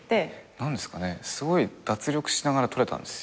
何ですかねすごい脱力しながら撮れたんです。